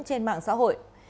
trên mạng xã hội